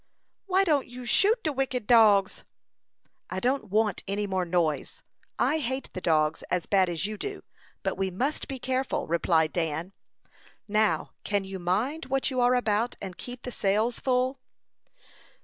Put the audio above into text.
"Why don't you shoot de wicked dogs?" "I don't want any more noise. I hate the dogs as bad as you do, but we must be careful," replied Dan. "Now, can you mind what you are about, and keep the sails full."